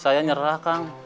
saya nyerah kang